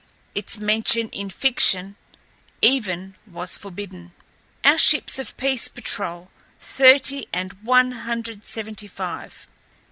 Its mention in fiction, even, was forbidden. Our ships of peace patrol thirty and one hundred seventy five.